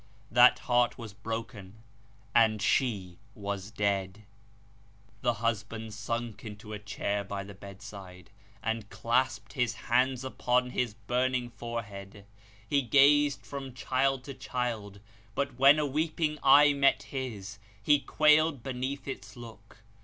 That heart was broken, and she was dead ! The husband sunk into a chair by the bedside, and clasped his 2 B Sketches by Boz. hands upon his burning forehead. He gazed from child to child, but when a weeping eye met his, he quailed beneath its look.